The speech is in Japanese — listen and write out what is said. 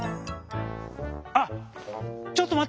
あっちょっとまって！